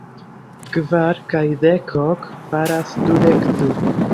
Kvar kaj dek ok faras dudek du.